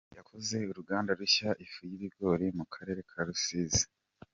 Yakoze uruganda rusya ifu y’ibigori Mukarere Karusizi